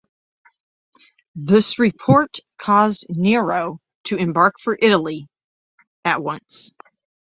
This report caused Nero to embark for Italy at once.